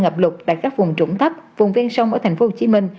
ngập lục tại các vùng trụng thấp vùng viên sông ở tp hcm